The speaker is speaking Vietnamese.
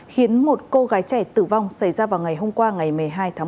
khiến một cô gái trẻ tử vong xảy ra vào ngày hôm qua ngày một mươi hai tháng một mươi